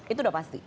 itu udah pasti